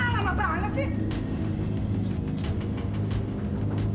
lama banget sih